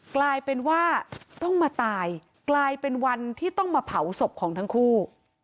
กลายเป็นว่าต้องมาตายกลายเป็นวันที่ต้องมาเผาศพของทั้งคู่